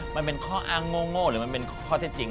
มันเป็นข้ออ้างโง่หรือมันเป็นข้อเท็จจริง